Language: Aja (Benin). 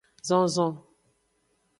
Zozon.